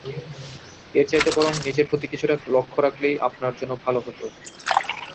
এর চাইতে বরং নিজের প্রতি কিছুটা লক্ষ্য রাখলেই আপনার জন্য ভাল হতো।